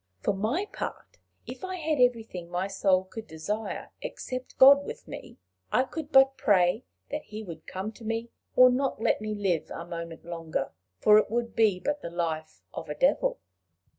For my part, if I had everything my soul could desire, except God with me, I could but pray that he would come to me, or not let me live a moment longer; for it would be but the life of a devil."